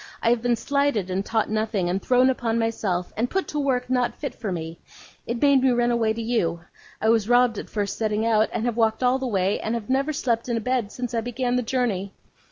I have been slighted, and taught nothing, and thrown upon myself, and put to work not fit for me. It made me run away to you. I was robbed at first setting out, and have walked all the way, and have never slept in a bed since I began the journey.